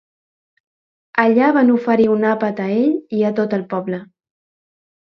Allà van oferir un àpat a ell i a tot el poble.